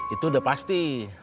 itu udah pasti